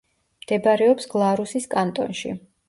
მდებარეობს გლარუსის კანტონში.